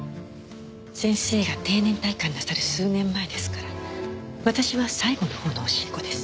先生が定年退官なさる数年前ですから私は最後のほうの教え子です。